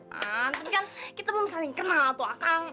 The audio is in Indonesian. tapi kan kita belum saling kenal tuh akang